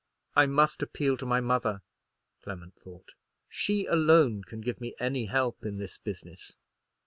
"I must appeal to my mother," Clement thought; "she alone can give me any help in this business."